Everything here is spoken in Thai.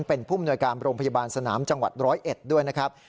เป็นผู้มนวยการโรงพยาบาลสนามจังหวัด๑๐๑ด้วยนะครับ